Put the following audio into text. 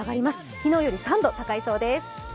昨日より３度高いそうです。